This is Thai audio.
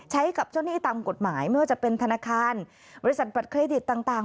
ใช้กับเจ้าหนี้ตามกฎหมายไม่ว่าจะเป็นธนาคารบริษัทบัตรเครดิตต่าง